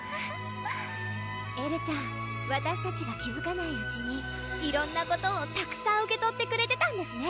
エルちゃんわたしたちが気づかないうちに色んなことをたくさん受け取ってくれてたんですね